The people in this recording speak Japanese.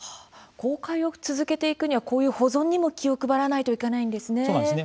公開を続けていくにはこういう保存にも気を配らないといけないんですね。